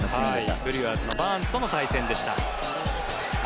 ブリュワーズのバーンズとの対戦でした。